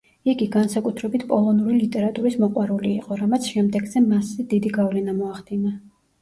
იგი, განსაკუთრებით, პოლონური ლიტერატურის მოყვარული იყო, რამაც შემდეგში მასზე დიდი გავლენა მოახდინა.